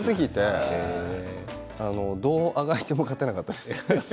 どうあがいても勝てなかったです。